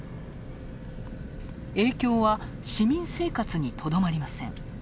影響は市民生活にとどまりません。